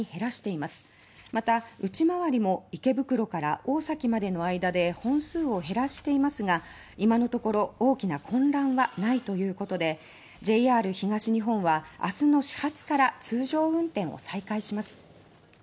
また内回りも池袋から大崎までの間で本数を減らしていますが今のところ大きな混乱はないということでＪＲ東日本は明日の始発から通常運転を再開します。